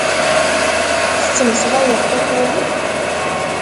Tettmeslayeḍ takurit?